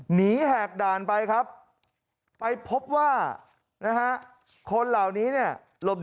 แหกด่านไปครับไปพบว่านะฮะคนเหล่านี้เนี่ย